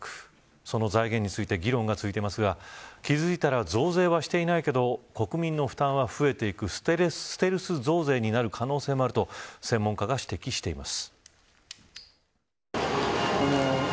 その財源について議論が続いていますが気付いたら増税をしていないけど国民の負担は増えていくステルス増税になる可能性もあると専門家が指摘しています。